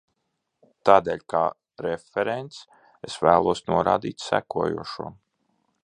Tādēļ kā referents es vēlos norādīt sekojošo.